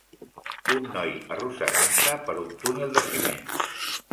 Un noi arrossegant-se per un túnel de ciment.